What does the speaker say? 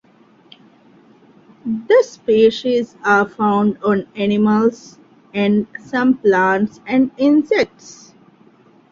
The species are found on animals, and some plants and insects.